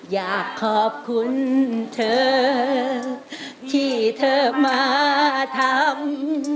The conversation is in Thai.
อยากขอบคุณเธอที่เธอมาทำ